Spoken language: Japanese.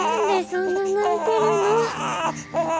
そんな泣いてるの？